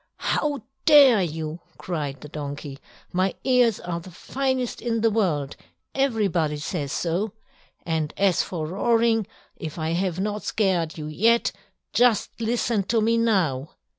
"How dare you?" cried the donkey. "My ears are the finest in the world, everybody says so. And as for roaring, if I have not scared you yet, just listen to me now!"